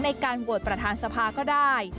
ในการโหวตประธานสภาก็ได้